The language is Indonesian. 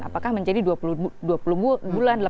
apakah menjadi dua puluh bulan